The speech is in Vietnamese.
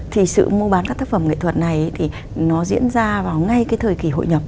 thì sự mua bán các tác phẩm nghệ thuật này thì nó diễn ra vào ngay cái thời kỳ hội nhập